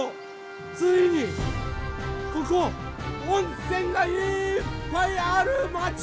ついにここ温泉がいっぱいあるまち